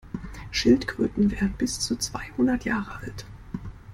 Schildkröten werden bis zu zweihundert Jahre alt.